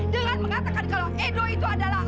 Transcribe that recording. dengan mengatakan kalau edo itu adalah